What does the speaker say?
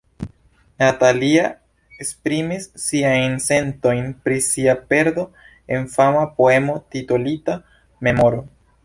Natalia esprimis siajn sentojn pri sia perdo en fama poemo titolita "Memoro".